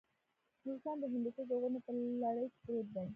نورستان د هندوکش د غرونو په لړۍ کې پروت دی.